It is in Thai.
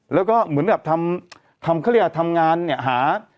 แล้วก็เหมือนแบบทำเขาเรียกทำงานเนี่ยหา